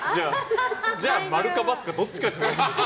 じゃあ○か×かどっちかにして。